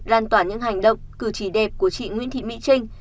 lan tỏa những hành động cử chỉ đẹp của chị nguyễn thị mỹ trinh